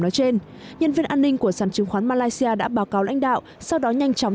nói trên nhân viên an ninh của sản chứng khoán malaysia đã báo cáo lãnh đạo sau đó nhanh chóng